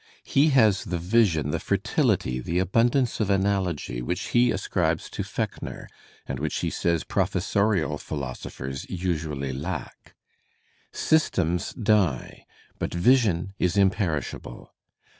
He has the vioos^ the fertiUty, the abundance of analogy / which he ascribet to Fechner and which he says professorial philosophers usually lack. Systems die, but vision is im perishable.